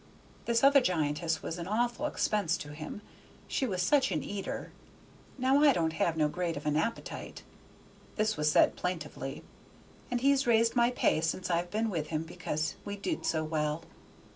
This other giantess was an awful expense to him, she was such an eater; now I don't have no great of an appetite," this was said plaintively, "and he's raised my pay since I've been with him because we did so well.